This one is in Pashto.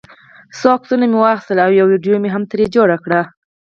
څو عکسونه مې واخیستل او یوه ویډیو مې هم ترې جوړه کړه.